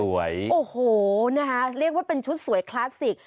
โอ้โหนะคะเรียกว่าเป็นชุดสวยคลาสสิก